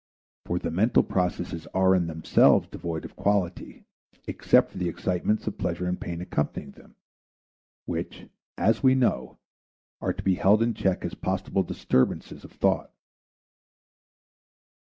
For the mental processes are in themselves devoid of quality except for the excitements of pleasure and pain accompanying them, which, as we know, are to be held in check as possible disturbances of thought.